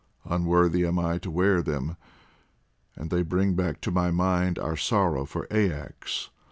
Unworthy am I to wear them, and they bring back to my mind our sorrow for Aias.